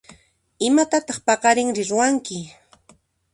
Imatataq paqarinri ruwanki?